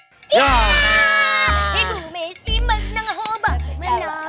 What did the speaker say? ibu messi menang hoba menang